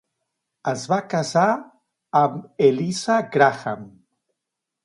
Es va casar amb Eliza Graham.